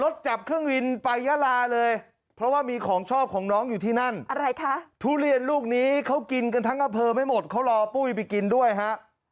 ทุเรียนลูกนี้เขากินกันทั้งกระเพิ่มไม่หมดเขารอปุ้ยไปกินด้วยฮะ